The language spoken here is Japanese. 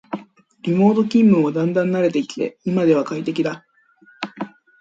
リモート勤務もだんだん慣れてきて今では快適だ